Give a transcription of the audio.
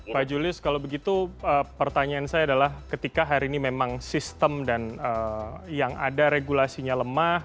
pak julius kalau begitu pertanyaan saya adalah ketika hari ini memang sistem dan yang ada regulasinya lemah